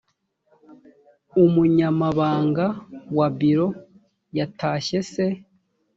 umunyamabanga wa biro yatashye se